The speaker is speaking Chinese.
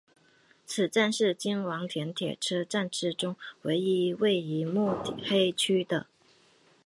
此站是京王电铁车站之中唯一位于目黑区的。